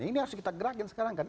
ini harus kita gerakin sekarang kan